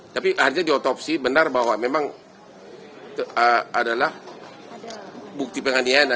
tapi akhirnya diotopsi benar bahwa memang adalah bukti penganiayaan